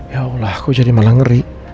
ya allah aku jadi malah ngeri